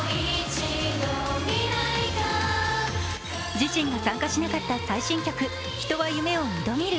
自身が参加しなかった最新曲「人は夢を二度見る」。